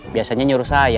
biasanya nyuruh saya